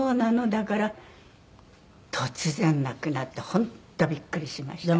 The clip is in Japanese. だから突然亡くなって本当びっくりしました。